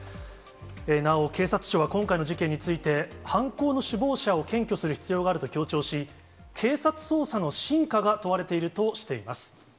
なお、警察庁は今回の事件について、犯行の首謀者を検挙する必要があると強調し、警察捜査の真価が問われているとしています。